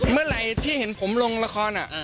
เมื่อไหร่ที่เห็นผมลงละคร